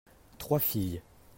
trois filles.